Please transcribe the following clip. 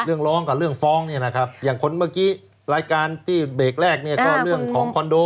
ร้องกับเรื่องฟ้องเนี่ยนะครับอย่างคนเมื่อกี้รายการที่เบรกแรกเนี่ยก็เรื่องของคอนโด